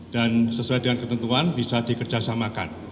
dan sesuai dengan ketentuan bisa dikerjasamakan